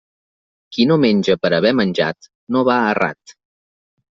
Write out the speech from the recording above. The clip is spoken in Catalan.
Qui no menja per haver menjat, no va errat.